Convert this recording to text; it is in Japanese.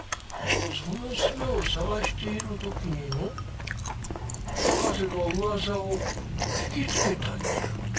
その術を探している時にの博士の噂を聞き付けたんじゃ。